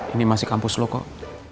ini masih kampus lo kok